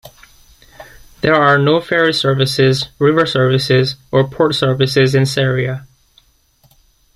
There are no ferry services, river services or port services in Seria.